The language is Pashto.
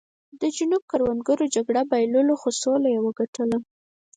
د جنوب کروندګرو جګړه بایلوله خو سوله یې وګټله.